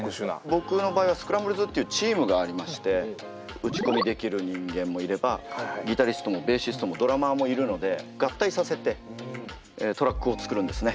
僕の場合はスクランブルズっていうチームがありまして打ち込みできる人間もいればギタリストもベーシストもドラマーもいるので合体させてトラックを作るんですね。